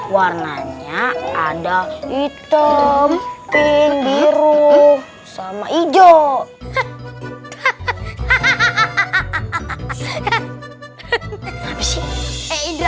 warnanya ada hitam pink biru sama hijau hahaha